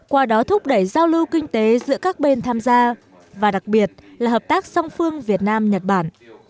qua đó thúc đẩy giao lưu kinh tế giữa các bên tham gia và đặc biệt là hợp tác song phương việt nam nhật bản